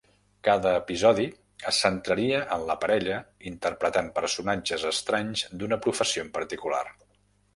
Cada episodi es centraria en la parella interpretant personatges estranys d'una professió en particular.